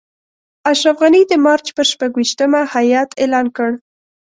اشرف غني د مارچ پر شپږویشتمه هیات اعلان کړ.